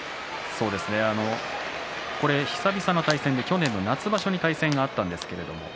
久々の対戦で去年夏場所に対戦があったんですが